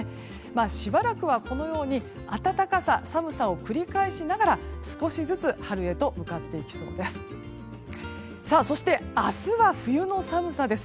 しばらくはこのように暖かさ、寒さを繰り返しながら少しずつ春へと向かっていきそうです。